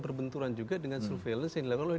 berbenturan juga dengan surveillance yang dilakukan oleh